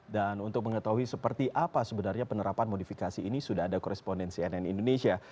dan untuk mengetahui seperti apa sebenarnya penerapan modifikasi ini sudah ada korespondensi nn indonesia